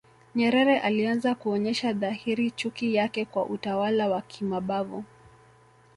Nyerere alianza kuonyesha dhahiri chuki yake kwa utawala wa kimabavu